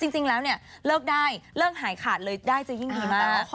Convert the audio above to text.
จริงแล้วเนี่ยเลิกได้เลิกหายขาดเลยได้จะยิ่งดีมาก